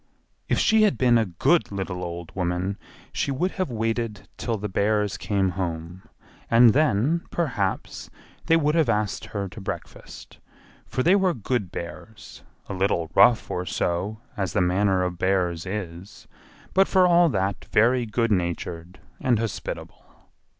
If she had been a good little old woman she would have waited till the bears came home, and then, perhaps, they would have asked her to breakfast, for they were good hears—a little rough or so, as the manner of bear's is, but for all that very good natured and hospitable.